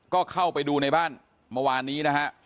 ก็เข้าไปดูในบ้านเมื่อวานนี้นะฮะ